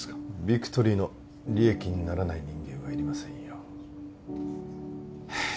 ビクトリーの利益にならない人間はいりませんよは